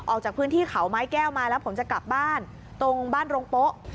ออกจากพื้นที่เขาไม้แก้วมาแล้วผมจะกลับบ้านตรงบ้านโรงโป๊ะ